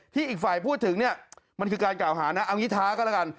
อีกฝ่ายพูดถึงเนี่ยมันคือการกล่าวหานะเอางี้ท้าก็แล้วกัน